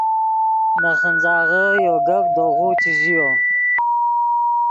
نے خنځاغے یو گپ دے غو چے ژیو